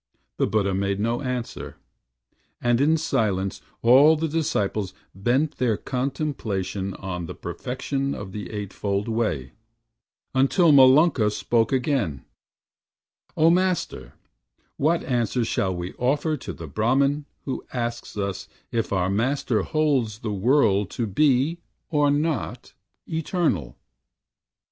The Buddha made no answer, and in silence All the disciples bent their contemplation On the perfection of the Eight fold Way, Until Malunka spoke again: "O Master, What answer shall we offer to the Brahman Who asks us if our Master holds the World To be, or not, Eternal?"